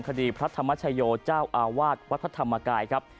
คดีพระธรรมชโยเจ้าอาวาสวัดพระธรรมกายครับ